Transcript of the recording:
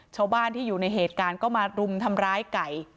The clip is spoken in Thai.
ชาวบ้านที่อยู่ในเหตุการณ์ก็มารุมทำร้ายไก่